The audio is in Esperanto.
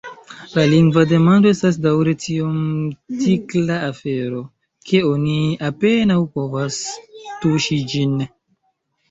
La lingva demando estas daŭre tiom tikla afero, ke oni apenaŭ povas tuŝi ĝin.